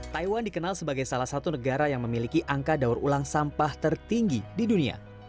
taiwan dikenal sebagai salah satu negara yang memiliki angka daur ulang sampah tertinggi di dunia